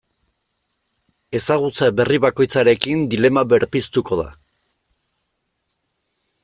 Ezagutza berri bakoitzarekin dilema berpiztuko da.